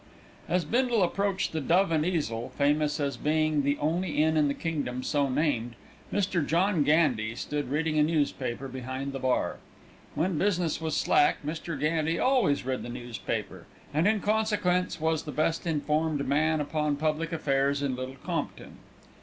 As Bindle approached the Dove and Easel, famous as being the only inn in the kingdom so named, Mr. John Gandy stood reading a newspaper behind the bar. When business was slack Mr. Gandy always read the newspaper, and in consequence was the best informed man upon public affairs in Little Compton.